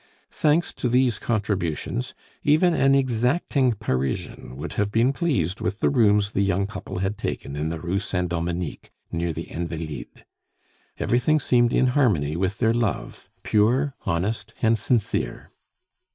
Thanks to these contributions, even an exacting Parisian would have been pleased with the rooms the young couple had taken in the Rue Saint Dominique, near the Invalides. Everything seemed in harmony with their love, pure, honest, and sincere.